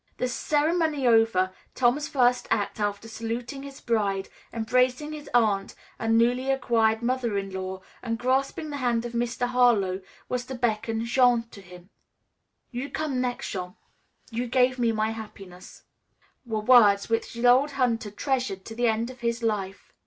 The ceremony over, Tom's first act after saluting his bride, embracing his aunt and newly acquired mother in law and grasping the hand of Mr. Harlowe, was to beckon Jean to him. "You come next, Jean. You gave me my happiness," were words which the old hunter treasured to the end of his life.